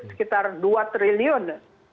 sekitar dua triliun